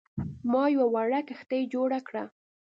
ما یوه وړه کښتۍ جوړه کړه.